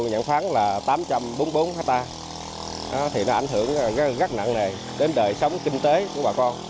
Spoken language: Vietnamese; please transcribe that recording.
nhận khoáng là tám trăm bốn mươi bốn hectare thì nó ảnh hưởng rất nặng nề đến đời sống kinh tế của bà con